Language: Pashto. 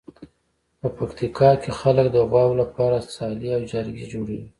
په پکتیکا کې خلک د غواوو لپاره څالې او جارګې جوړوي.